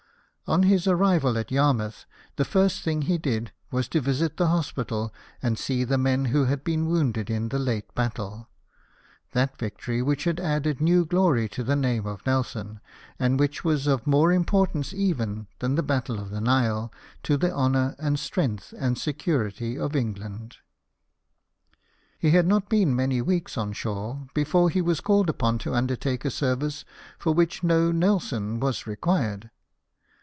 On his arrival at Yarmouth, the first thing he did was to visit the hospital, and see the men who had been wounded in the late battle — that victory which had added new glory to the name of Nelson, and which was of more importance even than the Battle of the Nile, to the honour and strength and security of England. He had not been many weeks on shore before he was called upon to undertake a service for which no Nelson was required.